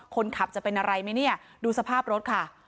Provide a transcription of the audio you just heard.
คนขับจะเป็นอะไรไหมเนี่ยดูสภาพรถค่ะ